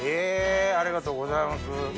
ありがとうございます。